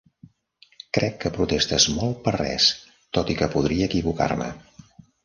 Crec que protestes molt per res, tot i que podria equivocar-me.